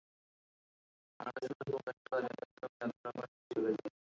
আমাদের শুধু প্রকাশ্যে দাঁড়িয়ে থাকতে হবে যাতে ওরা ভয় পেয়ে চলে যায়।